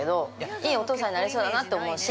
いいお父さんになりそうだなと思うし。